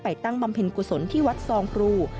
ตั้งบำเพ็ญกุศลที่วัดซองกรู